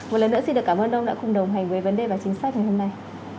một lần nữa xin được cảm ơn ông đã cùng đồng hành với vấn đề và chính sách ngày hôm nay